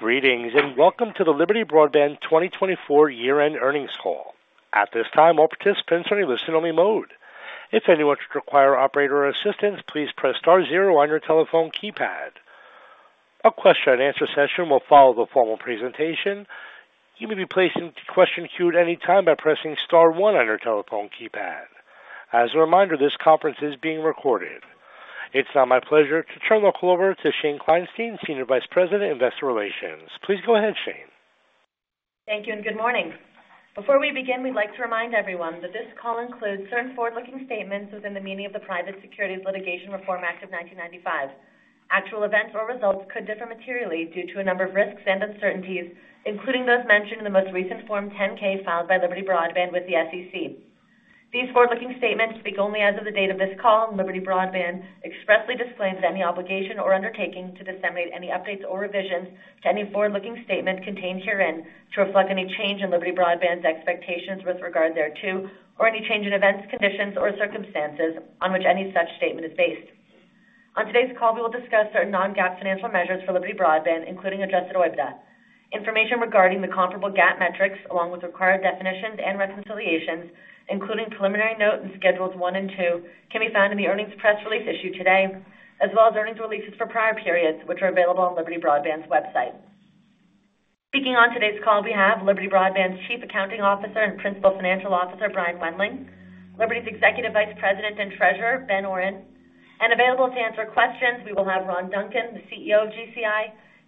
Greetings and welcome to the Liberty Broadband 2024 Year-End Earnings Call. At this time, all participants are in listen-only mode. If anyone should require operator assistance, please press star zero on your telephone keypad. A question-and-answer session will follow the formal presentation. You may be placed into question queue at any time by pressing star one on your telephone keypad. As a reminder, this conference is being recorded. It's now my pleasure to turn the call over to Shane Kleinstein, Senior Vice President, Investor Relations. Please go ahead, Shane. Thank you and good morning. Before we begin, we'd like to remind everyone that this call includes certain forward-looking statements within the meaning of the Private Securities Litigation Reform Act of 1995. Actual events or results could differ materially due to a number of risks and uncertainties, including those mentioned in the most recent Form 10-K filed by Liberty Broadband with the SEC. These forward-looking statements speak only as of the date of this call, and Liberty Broadband expressly disclaims any obligation or undertaking to disseminate any updates or revisions to any forward-looking statement contained herein to reflect any change in Liberty Broadband's expectations with regard thereto, or any change in events, conditions, or circumstances on which any such statement is based. On today's call, we will discuss certain non-GAAP financial measures for Liberty Broadband, including Adjusted OIBDA. Information regarding the comparable GAAP metrics, along with required definitions and reconciliations, including preliminary note in Schedules One and Two, can be found in the earnings press release issued today, as well as earnings releases for prior periods, which are available on Liberty Broadband's website. Speaking on today's call, we have Liberty Broadband's Chief Accounting Officer and Principal Financial Officer, Brian Wendling, Liberty's Executive Vice President and Treasurer, Ben Oren, and available to answer questions, we will have Ron Duncan, the CEO of GCI,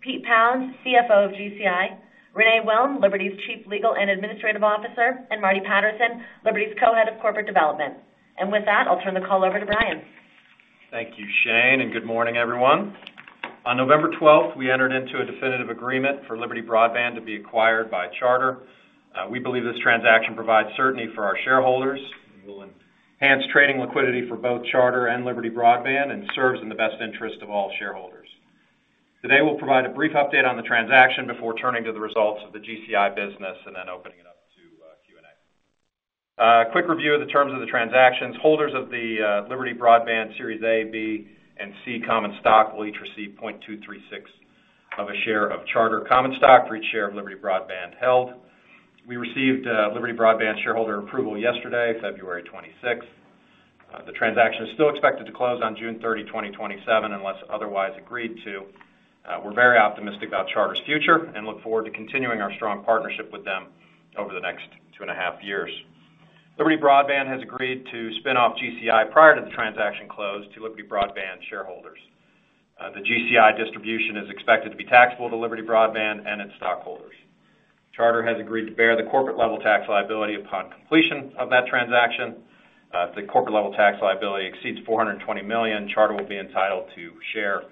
Pete Pounds, CFO of GCI, Renee Wilm, Liberty's Chief Legal and Administrative Officer, and Marty Patterson, Liberty's Co-Head of Corporate Development, and with that, I'll turn the call over to Brian. Thank you, Shane, and good morning, everyone. On November 12th, we entered into a definitive agreement for Liberty Broadband to be acquired by Charter. We believe this transaction provides certainty for our shareholders, will enhance trading liquidity for both Charter and Liberty Broadband, and serves in the best interest of all shareholders. Today, we'll provide a brief update on the transaction before turning to the results of the GCI business and then opening it up to Q&A. A quick review of the terms of the transaction: holders of the Liberty Broadband Series A, B, and C common stock will each receive 0.236 of a share of Charter common stock for each share of Liberty Broadband held. We received Liberty Broadband shareholder approval yesterday, February 26th. The transaction is still expected to close on June 30, 2027, unless otherwise agreed to. We're very optimistic about Charter's future and look forward to continuing our strong partnership with them over the next two and a half years. Liberty Broadband has agreed to spin off GCI prior to the transaction close to Liberty Broadband shareholders. The GCI distribution is expected to be taxable to Liberty Broadband and its stockholders. Charter has agreed to bear the corporate level tax liability upon completion of that transaction. If the corporate level tax liability exceeds $420 million, Charter will be entitled to share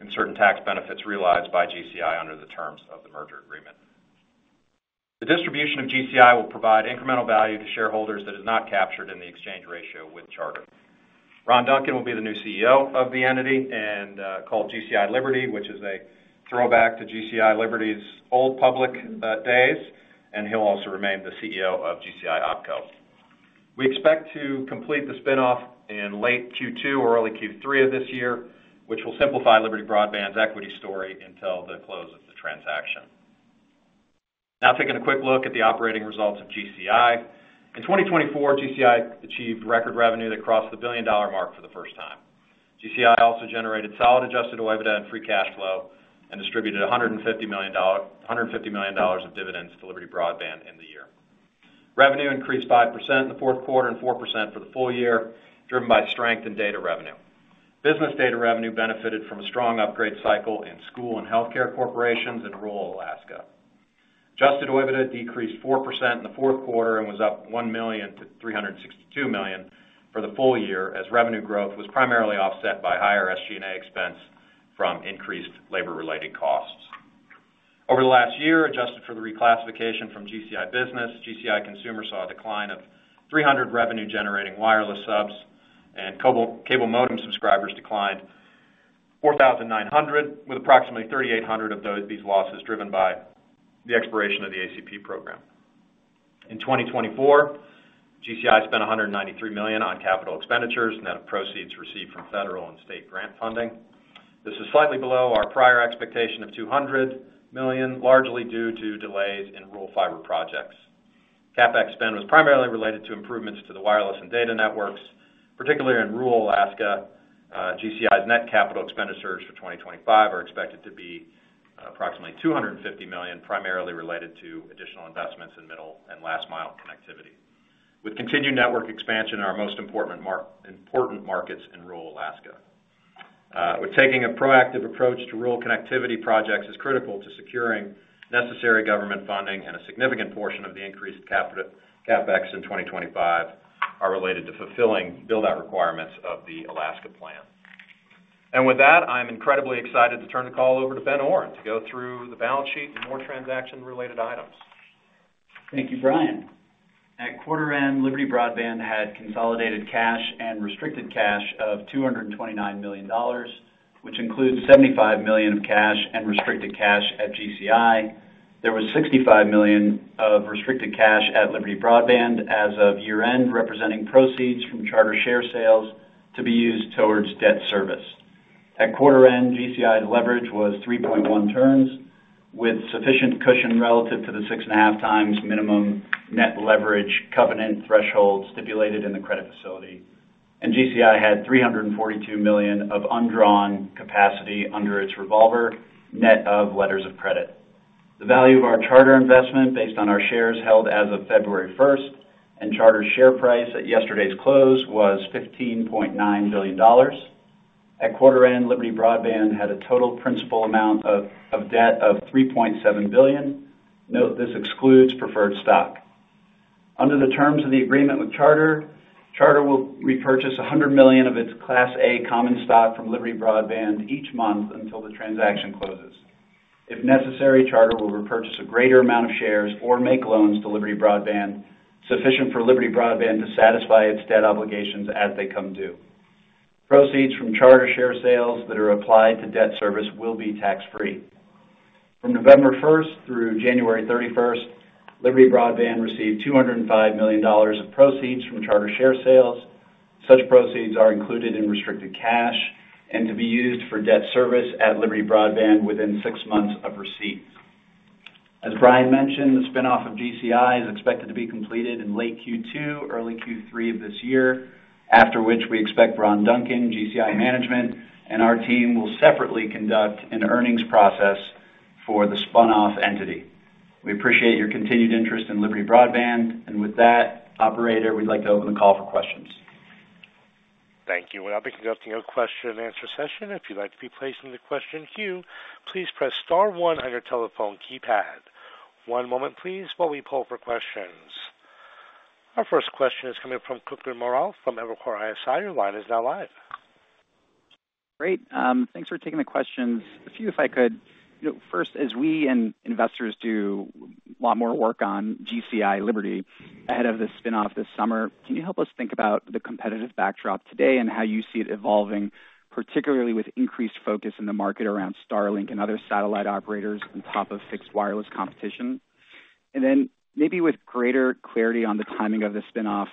in certain tax benefits realized by GCI under the terms of the merger agreement. The distribution of GCI will provide incremental value to shareholders that is not captured in the exchange ratio with Charter. Ron Duncan will be the new CEO of the entity called GCI Liberty, which is a throwback to GCI Liberty's old public days, and he'll also remain the CEO of GCI Opco. We expect to complete the spin-off in late Q2 or early Q3 of this year, which will simplify Liberty Broadband's equity story until the close of the transaction. Now, taking a quick look at the operating results of GCI, in 2024, GCI achieved record revenue that crossed the billion-dollar mark for the first time. GCI also generated solid adjusted OIBDA and free cash flow and distributed $150 million of dividends to Liberty Broadband in the year. Revenue increased 5% in the fourth quarter and 4% for the full year, driven by strength in data revenue. Business data revenue benefited from a strong upgrade cycle in school and healthcare corporations in rural Alaska. Adjusted OIBDA decreased 4% in the fourth quarter and was up $1,362 million for the full year, as revenue growth was primarily offset by higher SG&A expense from increased labor-related costs. Over the last year, adjusted for the reclassification from GCI business, GCI consumers saw a decline of 300 revenue-generating wireless subs, and cable modem subscribers declined 4,900, with approximately 3,800 of these losses driven by the expiration of the ACP program. In 2024, GCI spent $193 million on capital expenditures and had proceeds received from federal and state grant funding. This is slightly below our prior expectation of $200 million, largely due to delays in rural fiber projects. CapEx spend was primarily related to improvements to the wireless and data networks, particularly in rural Alaska. GCI's net capital expenditures for 2025 are expected to be approximately $250 million, primarily related to additional investments in middle and last-mile connectivity, with continued network expansion in our most important markets in rural Alaska. Taking a proactive approach to rural connectivity projects is critical to securing necessary government funding, and a significant portion of the increased CapEx in 2025 is related to fulfilling build-out requirements of the Alaska Plan, and with that, I'm incredibly excited to turn the call over to Ben Oren to go through the balance sheet and more transaction-related items. Thank you, Brian. At quarter-end, Liberty Broadband had consolidated cash and restricted cash of $229 million, which includes $75 million of cash and restricted cash at GCI. There was $65 million of restricted cash at Liberty Broadband as of year-end, representing proceeds from Charter share sales to be used towards debt service. At quarter-end, GCI's leverage was 3.1 turns, with sufficient cushion relative to the six-and-a-half times minimum net leverage covenant threshold stipulated in the credit facility, and GCI had $342 million of undrawn capacity under its revolver, net of letters of credit. The value of our Charter investment based on our shares held as of February 1st and Charter's share price at yesterday's close was $15.9 billion. At quarter-end, Liberty Broadband had a total principal amount of debt of $3.7 billion. Note this excludes preferred stock. Under the terms of the agreement with Charter, Charter will repurchase $100 million of its Class A common stock from Liberty Broadband each month until the transaction closes. If necessary, Charter will repurchase a greater amount of shares or make loans to Liberty Broadband sufficient for Liberty Broadband to satisfy its debt obligations as they come due. Proceeds from Charter share sales that are applied to debt service will be tax-free. From November 1st through January 31st, Liberty Broadband received $205 million of proceeds from Charter share sales. Such proceeds are included in restricted cash and to be used for debt service at Liberty Broadband within six months of receipt. As Brian mentioned, the spin-off of GCI is expected to be completed in late Q2, early Q3 of this year, after which we expect Ron Duncan, GCI management, and our team will separately conduct an earnings process for the spun-off entity. We appreciate your continued interest in Liberty Broadband. And with that, Operator, we'd like to open the call for questions. Thank you. We'll now be conducting a question-and-answer session. If you'd like to be placed in the question queue, please press star one on your telephone keypad. One moment, please, while we pull up our questions. Our first question is coming from Kutgun Maral from Evercore ISI. Your line is now live. Great. Thanks for taking the questions. A few, if I could. First, as we and investors do a lot more work on GCI Liberty ahead of the spin-off this summer, can you help us think about the competitive backdrop today and how you see it evolving, particularly with increased focus in the market around Starlink and other satellite operators on top of fixed wireless competition? And then maybe with greater clarity on the timing of the spin-off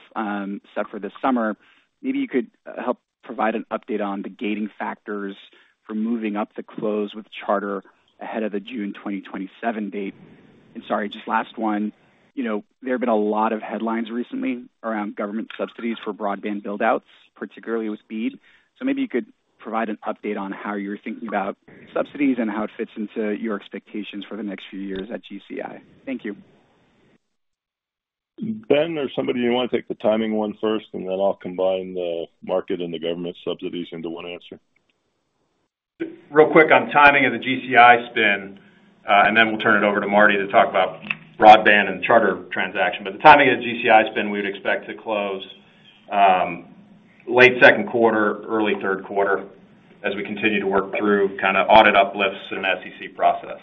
set for this summer, maybe you could help provide an update on the gating factors for moving up the close with Charter ahead of the June 2027 date. And sorry, just last one. There have been a lot of headlines recently around government subsidies for broadband build-outs, particularly with BEAD. So maybe you could provide an update on how you're thinking about subsidies and how it fits into your expectations for the next few years at GCI. Thank you. Ben, or somebody, you want to take the timing one first, and then I'll combine the market and the government subsidies into one answer. Real quick on timing of the GCI spin, and then we'll turn it over to Marty to talk about broadband and the Charter transaction. But the timing of the GCI spin, we would expect to close late second quarter, early third quarter, as we continue to work through kind of audit uplifts and SEC process.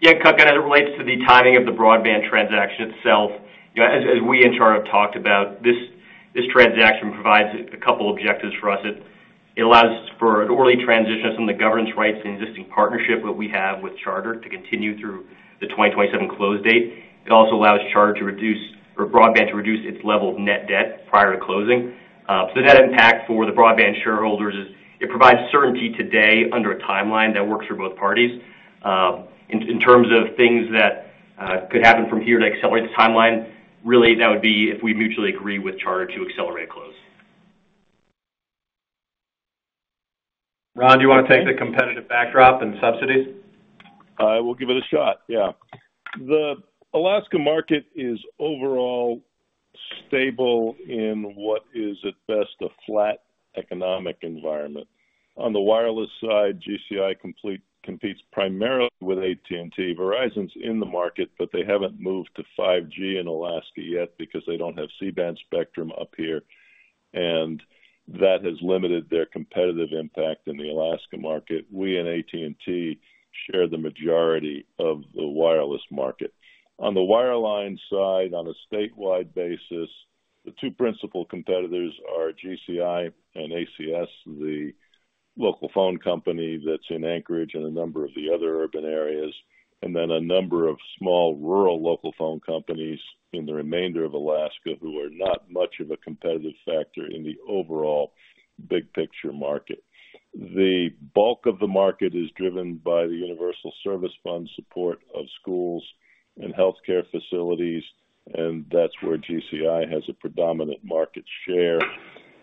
Yeah, Kutgun, as it relates to the timing of the broadband transaction itself, as we and Charter have talked about, this transaction provides a couple of objectives for us. It allows for an early transition of some of the governance rights and existing partnership that we have with Charter to continue through the 2027 close date. It also allows Charter to reduce, or Broadband to reduce its level of net debt prior to closing. So that impact for the broadband shareholders is it provides certainty today under a timeline that works for both parties. In terms of things that could happen from here to accelerate the timeline, really, that would be if we mutually agree with Charter to accelerate a close. Ron, do you want to take the competitive backdrop and subsidies? I will give it a shot, yeah. The Alaska market is overall stable in what is at best a flat economic environment. On the wireless side, GCI competes primarily with AT&T. Verizon's in the market, but they haven't moved to 5G in Alaska yet because they don't have C-band spectrum up here, and that has limited their competitive impact in the Alaska market. We and AT&T share the majority of the wireless market. On the wireline side, on a statewide basis, the two principal competitors are GCI and ACS, the local phone company that's in Anchorage and a number of the other urban areas, and then a number of small rural local phone companies in the remainder of Alaska who are not much of a competitive factor in the overall big picture market. The bulk of the market is driven by the Universal Service Fund support of schools and healthcare facilities, and that's where GCI has a predominant market share.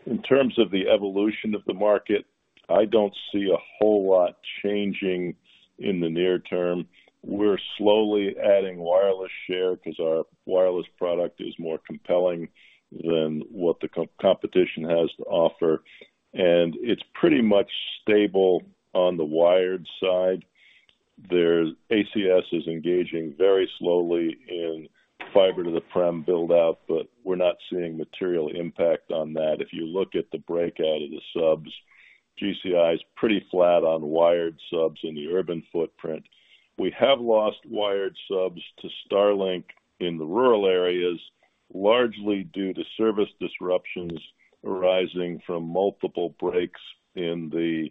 In terms of the evolution of the market, I don't see a whole lot changing in the near term. We're slowly adding wireless share because our wireless product is more compelling than what the competition has to offer. And it's pretty much stable on the wired side. ACS is engaging very slowly in fiber-to-the-premises build-out, but we're not seeing material impact on that. If you look at the breakout of the subs, GCI is pretty flat on wired subs in the urban footprint. We have lost wired subs to Starlink in the rural areas, largely due to service disruptions arising from multiple breaks in the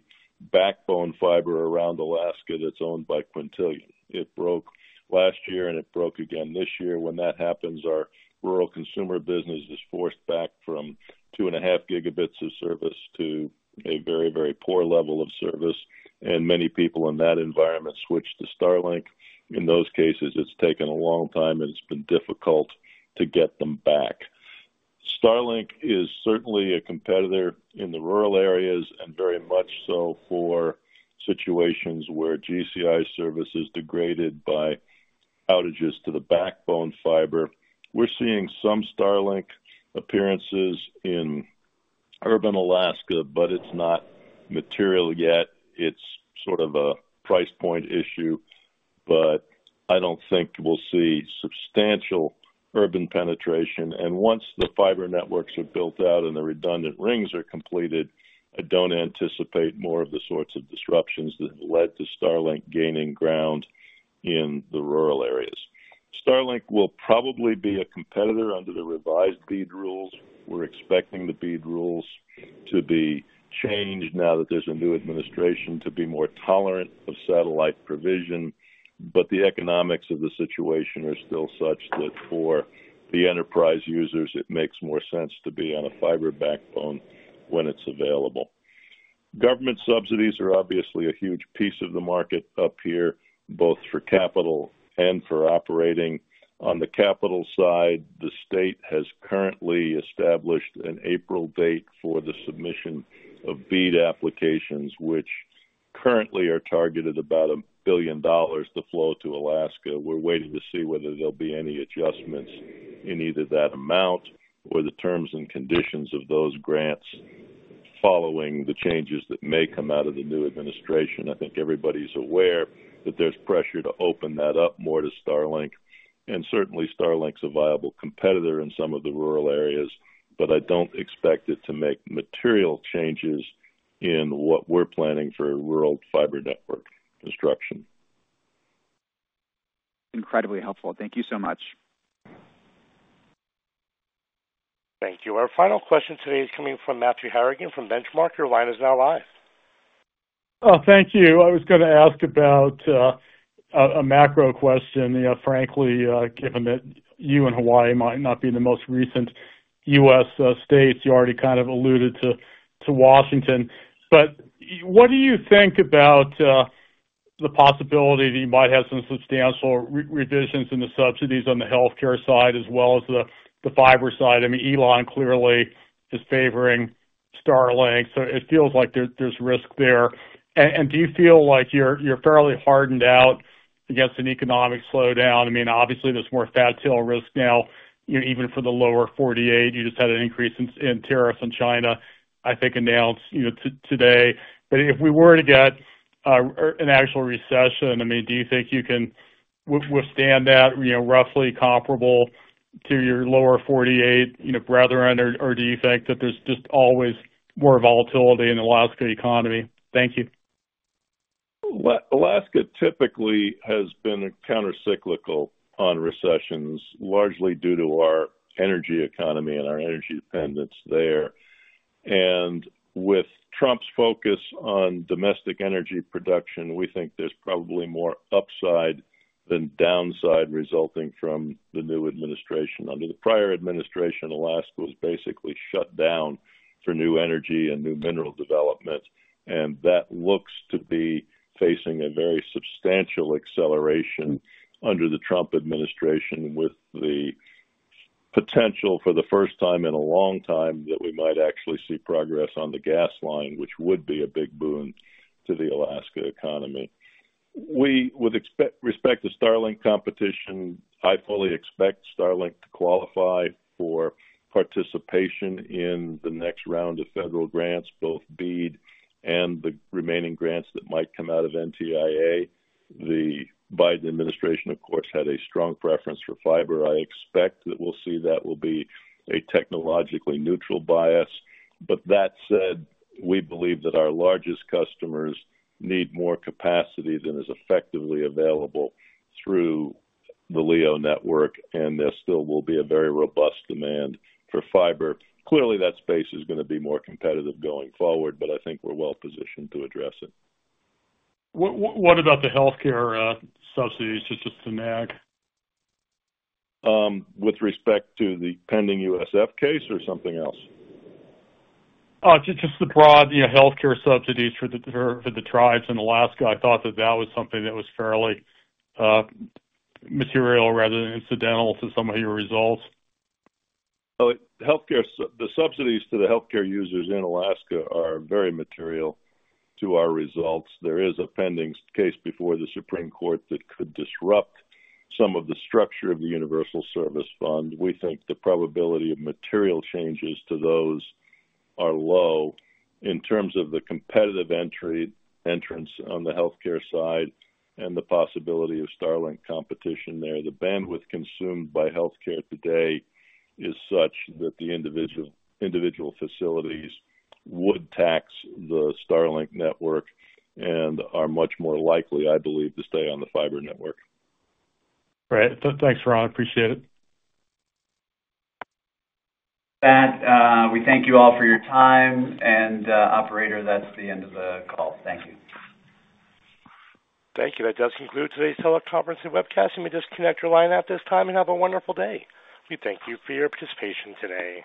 backbone fiber around Alaska that's owned by Quintillion. It broke last year, and it broke again this year. When that happens, our rural consumer business is forced back from two and a half gigabits of service to a very, very poor level of service, and many people in that environment switch to Starlink. In those cases, it's taken a long time, and it's been difficult to get them back. Starlink is certainly a competitor in the rural areas and very much so for situations where GCI service is degraded by outages to the backbone fiber. We're seeing some Starlink appearances in urban Alaska, but it's not material yet. It's sort of a price point issue, but I don't think we'll see substantial urban penetration. And once the fiber networks are built out and the redundant rings are completed, I don't anticipate more of the sorts of disruptions that have led to Starlink gaining ground in the rural areas. Starlink will probably be a competitor under the revised BEAD rules. We're expecting the BEAD rules to be changed now that there's a new administration to be more tolerant of satellite provision, but the economics of the situation are still such that for the enterprise users, it makes more sense to be on a fiber backbone when it's available. Government subsidies are obviously a huge piece of the market up here, both for capital and for operating. On the capital side, the state has currently established an April date for the submission of BEAD applications, which currently are targeted at about $1 billion to flow to Alaska. We're waiting to see whether there'll be any adjustments in either that amount or the terms and conditions of those grants following the changes that may come out of the new administration. I think everybody's aware that there's pressure to open that up more to Starlink. And certainly, Starlink's a viable competitor in some of the rural areas, but I don't expect it to make material changes in what we're planning for rural fiber network construction. Incredibly helpful. Thank you so much. Thank you. Our final question today is coming from Matthew Harrigan from Benchmark. Your line is now live. Oh, thank you. I was going to ask about a macro question. Frankly, given that you and Hawaii might not be the most recent U.S. states, you already kind of alluded to Washington. But what do you think about the possibility that you might have some substantial revisions in the subsidies on the healthcare side as well as the fiber side? I mean, Elon clearly is favoring Starlink, so it feels like there's risk there. And do you feel like you're fairly hardened out against an economic slowdown? I mean, obviously, there's more factual risk now, even for the lower 48. You just had an increase in tariffs on China, I think, announced today. But if we were to get an actual recession, I mean, do you think you can withstand that roughly comparable to your Lower 48 brethren, or do you think that there's just always more volatility in the Alaska economy? Thank you. Alaska typically has been countercyclical on recessions, largely due to our energy economy and our energy dependence there. With Trump's focus on domestic energy production, we think there's probably more upside than downside resulting from the new administration. Under the prior administration, Alaska was basically shut down for new energy and new mineral development. That looks to be facing a very substantial acceleration under the Trump administration with the potential for the first time in a long time that we might actually see progress on the gas line, which would be a big boon to the Alaska economy. With respect to Starlink competition, I fully expect Starlink to qualify for participation in the next round of federal grants, both BEAD and the remaining grants that might come out of NTIA. The Biden administration, of course, had a strong preference for fiber. I expect that we'll see that will be a technologically neutral bias. But that said, we believe that our largest customers need more capacity than is effectively available through the LEO network, and there still will be a very robust demand for fiber. Clearly, that space is going to be more competitive going forward, but I think we're well positioned to address it. What about the healthcare subsidies? Just a nag. With respect to the pending USF case or something else? Oh, just the broad healthcare subsidies for the tribes in Alaska. I thought that that was something that was fairly material rather than incidental to some of your results. The subsidies to the healthcare users in Alaska are very material to our results. There is a pending case before the Supreme Court that could disrupt some of the structure of the Universal Service Fund. We think the probability of material changes to those are low. In terms of the competitive entrance on the healthcare side and the possibility of Starlink competition there, the bandwidth consumed by healthcare today is such that the individual facilities would tax the Starlink network and are much more likely, I believe, to stay on the fiber network. Great. Thanks, Ron. Appreciate it. Ben, we thank you all for your time. And, Operator, that's the end of the call. Thank you. Thank you. That does conclude today's teleconference and webcast. You may disconnect your line at this time and have a wonderful day. We thank you for your participation today.